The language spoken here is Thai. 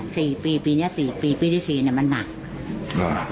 สี่ปีปีนี้สี่ปีปีที่สี่เนี้ยมันหนักมาก